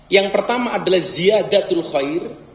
yang pertama adalah ziyadatul khair